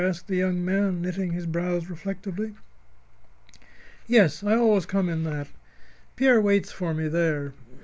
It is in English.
asked the young man, knitting his brows reflectively. "Yes. I always come in that. Pierre waits for me there.